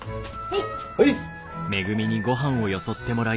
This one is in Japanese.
はい。